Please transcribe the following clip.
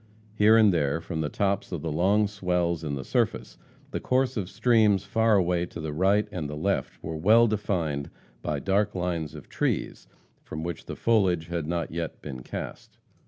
Here and there, from the tops of the long swells in the surface, the course of streams far away to the right and the left, were well defined by dark lines of trees from which the foliage had not yet been cast.